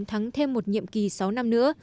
thắng thêm một nhiệm kỳ sáu năm nữa